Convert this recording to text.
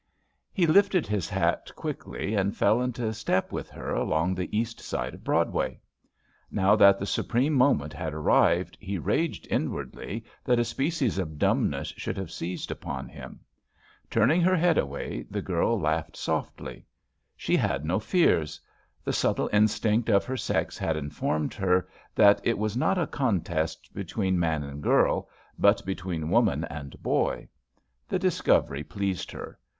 He lifted his hat quickly and fell into step with her along the east side of Broad way. Now that the supreme moment had ar rived, he raged inwardly that a species of dumbness should have seized upon him. Turn ing her head away, the girl laughed softly. She had no fears. The subtle instinct of her sex had informed her that it was not a contest JUST SWEETHEARTS J^ between man and girl, but between woman and boy. The discovery pleased her.